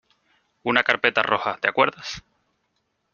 una carpeta roja. ¿ te acuerdas?